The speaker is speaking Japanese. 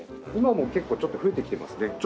今も結構ちょっと増えてきてますね。